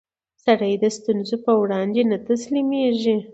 سړی د ستونزو پر وړاندې نه تسلیمېږي